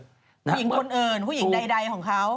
ผู้หญิงคนอื่นผู้หญิงใดของเขา